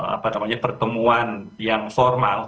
apa namanya pertemuan yang formal